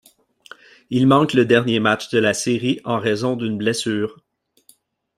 Il manque le dernier match de la série en raison d'une blessure.